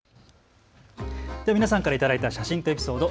では皆さんから頂いた写真やエピソード、＃